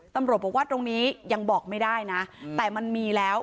ตำรวจบอกว่าตรงนี้ยังบอกไม่ได้นะแต่มันมีแล้ว